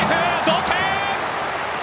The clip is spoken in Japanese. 同点！